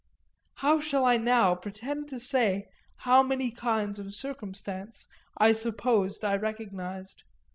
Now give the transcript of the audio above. How shall I now pretend to say how many kinds of circumstance I supposed I recognised?